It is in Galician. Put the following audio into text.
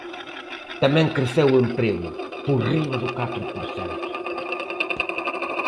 Tamén creceu o emprego, por riba do catro por cento.